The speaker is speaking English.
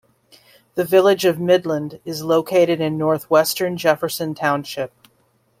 The village of Midland is located in northwestern Jefferson Township.